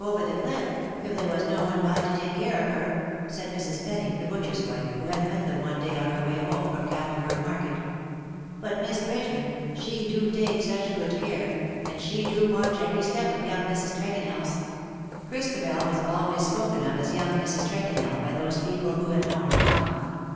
over the cliff, if there was no one by to take care of .her,"" said Mrs. Penny, the butcher^s wife, who had met them one day on her way home from Camelford 3Iarket; '^but Miss Bridgeman, she do take such 84 '' PAIN FOR THY GIRDLE, care^ and she do watch every step of youDg ^Mrs. Tregoneirs" — Christabel was always spoken of as young Mrs.Tregonell by those people who had known her aunt.